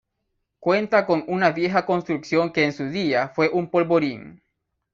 Cuenta con una vieja construcción que en su día fue un polvorín.